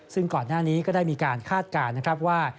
ซึ่งก่อนหน้านี้ก็ได้มีการคาดการณ์นะครับว่า